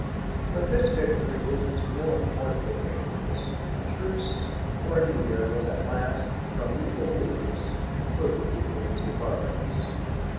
But this victory leading to no important advantages, a truce for a year was at last, from mutual weakness, concluded between the two monarchs.